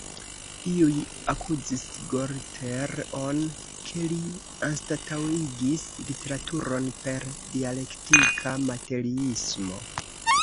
Iuj akuzis Gorter-on, ke li anstataŭigis literaturon per dialektika materiismo.